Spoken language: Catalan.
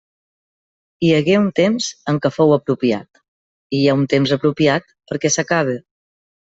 Hi hagué un temps en què fou apropiat, i hi ha un temps apropiat perquè s'acabe.